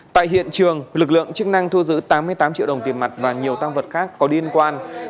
tại hiện trường lực lượng chức năng thu giữ tám mươi tám triệu đồng tiền mặt và nhiều tăng vật khác có liên quan